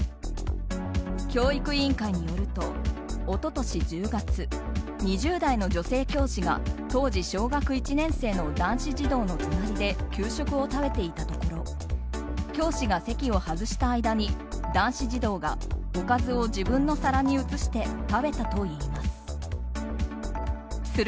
教育委員会によると一昨年１０月２０代の女性教師が当時小学１年生の男子児童の隣で給食を食べていたところ教師が席を外した間に男子児童がおかずを自分の皿に移して食べたといいます。